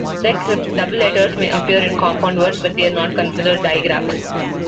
Czech, double letters may appear in compound words, but they are not considered digraphs.